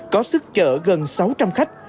có sức chở gần sáu trăm linh khách